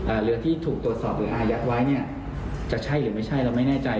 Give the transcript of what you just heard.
เรือที่ถูกตรวจสอบหรืออายัดไว้เนี่ยจะใช่หรือไม่ใช่เราไม่แน่ใจ